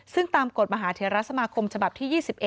ซึ่งตามกฎมหาเทราสมาคมฉบับที่๒๑